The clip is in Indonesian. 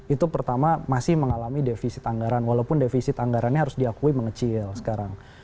itu pertama masih mengalami defisit anggaran walaupun defisit anggarannya harus diakui mengecil sekarang